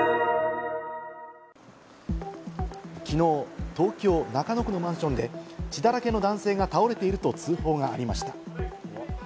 きのう東京・中野区のマンションで血だらけの男性が倒れていると通報がありました。